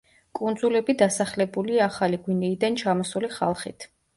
კუნძულები დასახლებულია ახალი გვინეიდან ჩამოსული ხალხით.